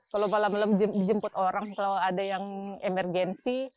kalau malam malam dijemput orang kalau ada yang emergensi